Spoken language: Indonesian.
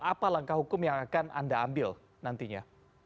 apa langkah hukum yang akan anda ambil nantinya